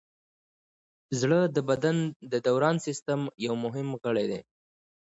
زړه د بدن د دوران سیستم یو مهم غړی دی.